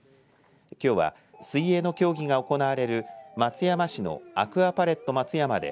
きょうは水泳の競技が行われる松山市のアクアパレットまつやまで